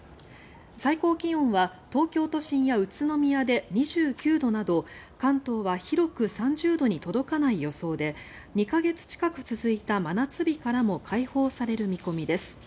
最高気温は東京都心や宇都宮で２９度など関東は広く３０度に届かない予想で２か月近く続いた真夏日からも解放される見込みです。